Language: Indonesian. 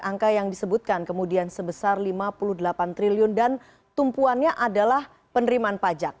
angka yang disebutkan kemudian sebesar lima puluh delapan triliun dan tumpuannya adalah penerimaan pajak